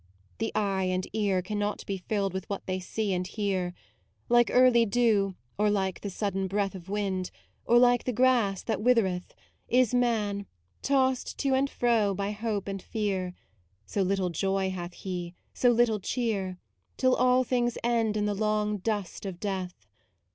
The eye and ear Cannot be filled with what they see and hear: Like early dew, or like the sudden breath Of wind, or like the grass that with ereth, MAUDE 67 Is man, tossed to and fro by hope and fear: So little joy hath he, so little cheer, Till all things end in the long dust of death.